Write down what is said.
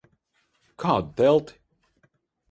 Kādu telti?